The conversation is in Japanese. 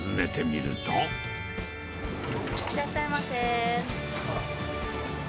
いらっしゃいませ。